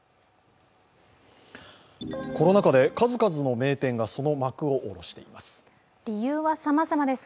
コロナ禍で数々の名店がその幕を下ろしています。